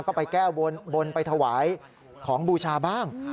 ก็ไปแก้บนไปถวายของบูชาบ้าง